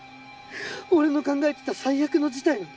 俺の考えてた最悪の事態なんだ。